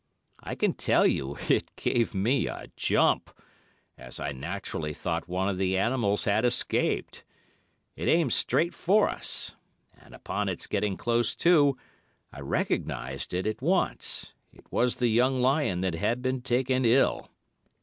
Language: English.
I can tell you it gave me a jump, as I naturally thought one of the animals had escaped. It aimed straight for us, and upon its getting close to I recognised it at once—it was the young lion that had been taken ill.